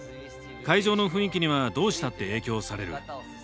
会場の雰囲気にはどうしたって影響される。